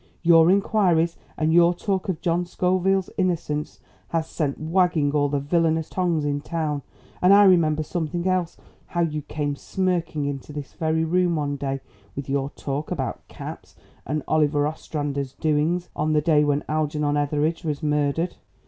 Your inquiries and your talk of John Scoville's innocence has set wagging all the villainous tongues in town. And I remember something else. How you came smirking into this very room one day, with your talk about caps and Oliver Ostrander's doings on the day when Algernon Etheridge was murdered.